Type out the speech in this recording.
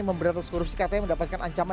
memberi atas korupsi katanya mendapatkan ancaman